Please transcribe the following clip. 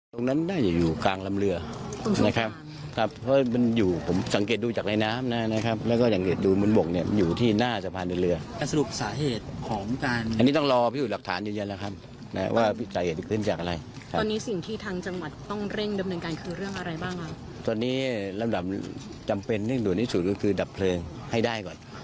ตอนนี้ลำดับจำเป็นเรื่องด่วนนิสูตรคือนี่สัก๕ปีนาทีดับเพลงให้ได้ก่อน